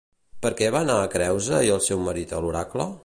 Per què va anar Creusa i el seu marit a l'oracle?